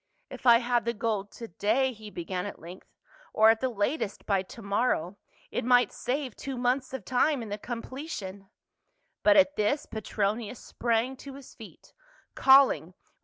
" If I had the gold to day." he began at length, " or at the latest by to morrow, it might save two months of time in the completion —" But at this Petronius sprang to his feet, calling with 172 PAUL.